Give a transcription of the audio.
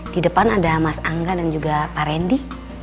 di depan ada mas angga dan juga pak randy